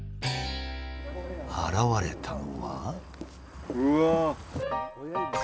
現れたのは。